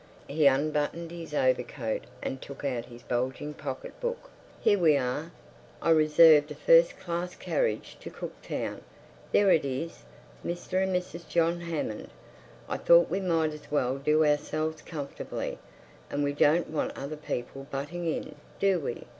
He unbuttoned his overcoat and took out his bulging pocket book. "Here we are! I reserved a first class carriage to Cooktown. There it is—'Mr. and Mrs. John Hammond.' I thought we might as well do ourselves comfortably, and we don't want other people butting in, do we?